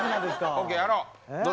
オーケーやろう。